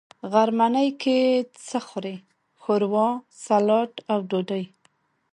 غرمنۍ کی څه خورئ؟ ښوروا، ، سلاډ او ډوډۍ